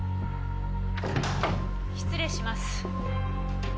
失礼します。